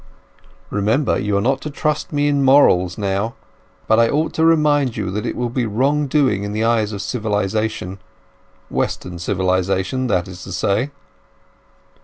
"Remember, you are not to trust me in morals now. But I ought to remind you that it will be wrong doing in the eyes of civilization—Western civilization, that is to say."